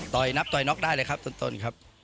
นับต่อยน็อกได้เลยครับต้นครับ